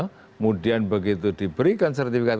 kemudian begitu diberikan sertifikat